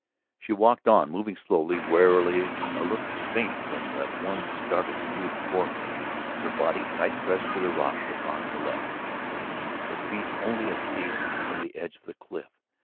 She walked on, moving slowly, warily, a little faint from the one startled view before her, her body tight pressed to the rocks upon the left, her feet only a pace from the edge of the cliff.